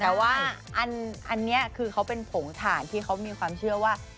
แต่ว่าอันนี้คือเขาเป็นผงถ่านที่เขามีความเชื่อว่า